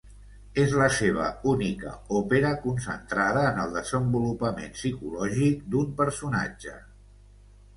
És la seva única òpera concentrada en el desenvolupament psicològic d'un personatge.